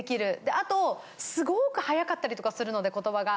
あとすごく早かったりとかするので言葉が。